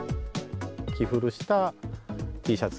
着古したＴシャツ。